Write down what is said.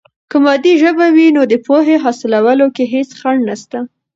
که مادي ژبه وي، نو د پوهې حاصلولو کې هیڅ خنډ نسته.